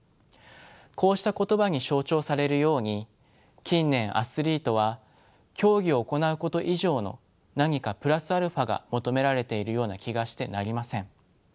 こうした言葉に象徴されるように近年アスリートは競技を行うこと以上の何かプラスアルファが求められているような気がしてなりません。